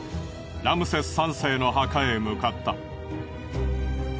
ラムセス３世の墓へ向かった。